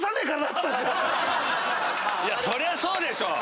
そりゃそうでしょ！